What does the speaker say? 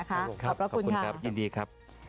ขอบครับขอบคุณครับสวัสดีครับ